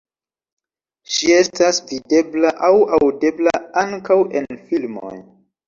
Ŝi estas videbla aŭ aŭdebla ankaŭ en filmoj.